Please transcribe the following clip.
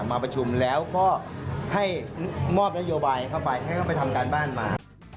มาประชุมแล้วก็ให้มอบนโยบายเข้าไปให้เขาไปทำการบ้านมา